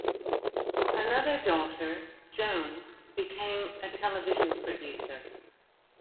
Another daughter, Joan, became a television producer.